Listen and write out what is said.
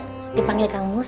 ya dipanggil kang mus